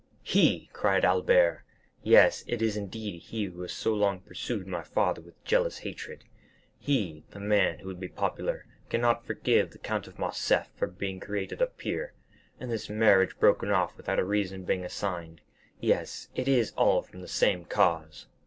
'" "He!" cried Albert; "yes, it is indeed he who has so long pursued my father with jealous hatred. He, the man who would be popular, cannot forgive the Count of Morcerf for being created a peer; and this marriage broken off without a reason being assigned—yes, it is all from the same cause."